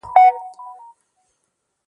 البته دا یوه موقتي چاره وه